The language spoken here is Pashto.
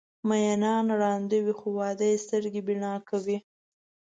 مینان ړانده وي خو واده یې سترګې بینا کوي.